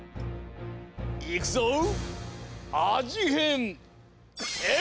いくぞ！